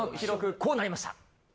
こうなりました。